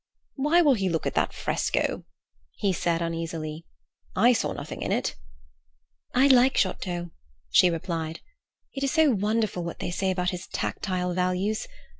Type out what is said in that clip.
"Why will he look at that fresco?" he said uneasily. "I saw nothing in it." "I like Giotto," she replied. "It is so wonderful what they say about his tactile values.